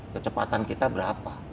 kecepatan kita berapa